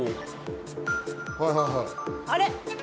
あれ？